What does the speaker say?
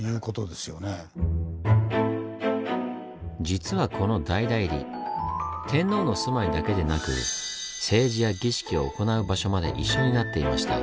実はこの大内裏天皇の住まいだけでなく政治や儀式を行う場所まで一緒になっていました。